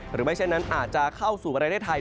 ไม่ใช่นั้นอาจจะเข้าสู่ประเทศไทย